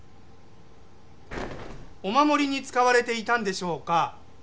お守りに使われていたんでしょうか？